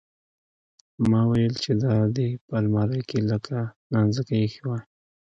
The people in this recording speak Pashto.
ما ويل چې دا دې په المارۍ کښې لکه نانځکه ايښې واى.